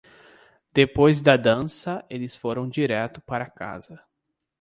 Depois da dança eles foram direto para casa.